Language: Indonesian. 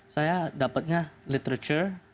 saya dapatnya literature